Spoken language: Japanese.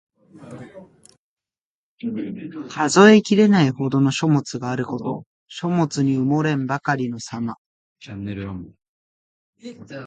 数えきれないほどの書物があること。書籍に埋もれんばかりのさま。